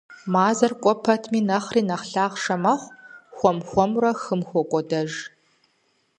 Мазэр кӀуэ пэтми нэхъ лъахъшэ мэхъу, хуэм-хуэмурэ хым хокӀуэдэж.